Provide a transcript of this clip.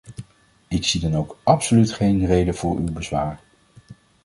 Ik zie dan ook absoluut geen reden voor uw bezwaar.